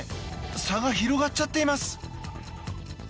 差が広がっちゃっています。